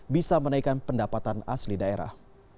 bisa menaikkan pendapatan asli daerah